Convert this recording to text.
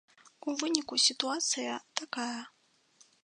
У выніку сітуацыя такая.